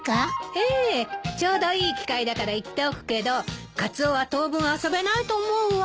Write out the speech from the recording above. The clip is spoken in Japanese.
ええちょうどいい機会だから言っておくけどカツオは当分遊べないと思うわ。